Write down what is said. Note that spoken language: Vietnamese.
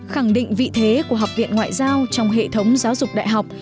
khẳng định vị thế của học viện ngoại giao trong hệ thống giáo dục đại học